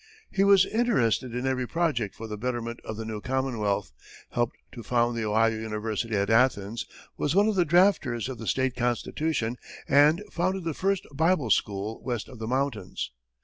He was interested in every project for the betterment of the new Commonwealth, helped to found the Ohio University at Athens, was one of the drafters of the state constitution, and founded the first Bible school west of the mountains.